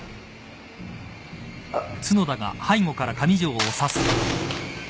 あっ